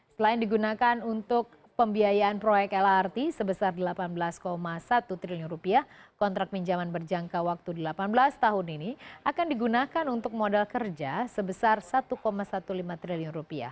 selain digunakan untuk pembiayaan proyek lrt sebesar rp delapan belas satu triliun kontrak pinjaman berjangka waktu delapan belas tahun ini akan digunakan untuk modal kerja sebesar rp satu lima belas triliun